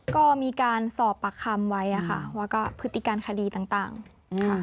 ก็มีการสอบปากคำไว้อะค่ะว่าก็พฤติการคดีต่างค่ะ